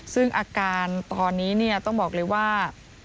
ซึ่งอาการตอนนี้ต้องบอกเลยว่า